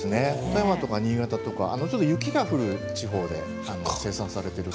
富山とか新潟とか雪が降る地方で生産されている。